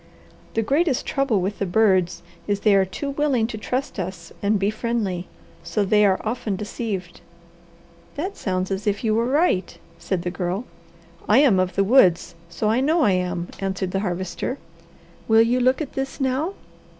The greatest trouble with the birds is they are too willing to trust us and be friendly, so they are often deceived." "That sounds as if you were right," said the Girl. "I am of the woods, so I know I am," answered the Harvester. "Will you look at this now?"